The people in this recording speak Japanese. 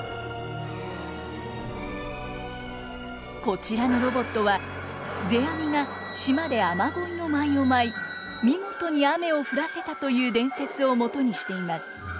こちらのロボットは世阿弥が島で雨乞いの舞を舞い見事に雨を降らせたという伝説をもとにしています。